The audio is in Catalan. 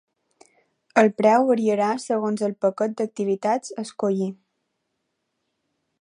El preu variarà segons el paquet d'activitats a escollir.